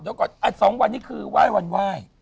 เดี๋ยวก่อนอันสองวันนี้คือว่ายวันว่าย